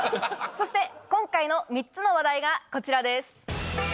そして今回の３つの話題がこちらです。